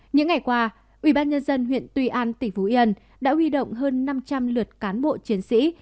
những ngày qua ubnd huyện tuy an tỉnh phú yên đã huy động hơn năm trăm linh lượt cán bộ chiến sĩ